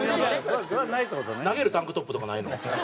投げるタンクトップとかないの？